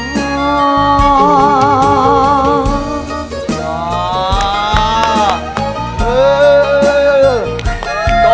ขอบคุณค่ะ